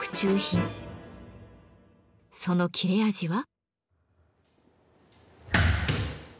その切れ味は？